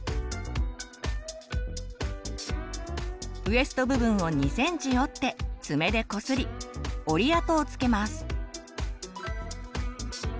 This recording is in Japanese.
ウエスト部分を２ｃｍ折って爪でこすり折り跡を付けます。